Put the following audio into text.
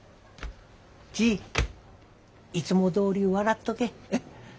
チィいつもどおり笑っとけ。